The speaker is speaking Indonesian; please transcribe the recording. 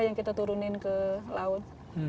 yang kita turunin ke laut